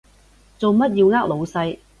做乜要呃老細？